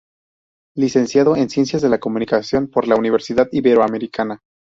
Licenciado en Ciencias de la Comunicación por la Universidad Iberoamericana.